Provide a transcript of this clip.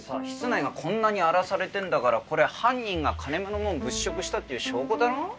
室内がこんなに荒らされてんだからこれ犯人が金目の物物色したっていう証拠だろ？